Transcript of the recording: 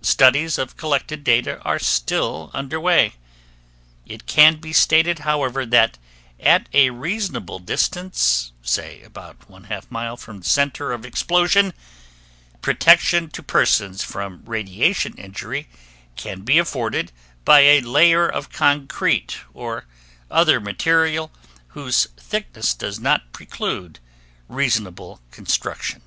Studies of collected data are still under way. It can be stated, however, that at a reasonable distance, say about 1/2 mile from the center of explosion, protection to persons from radiation injury can be afforded by a layer of concrete or other material whose thickness does not preclude reasonable construction.